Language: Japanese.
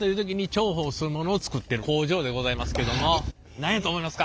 何やと思いますか？